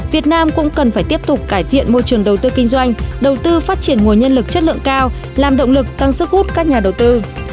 việt nam cũng cần phải tiếp tục cải thiện môi trường đầu tư kinh doanh đầu tư phát triển nguồn nhân lực chất lượng cao làm động lực tăng sức hút các nhà đầu tư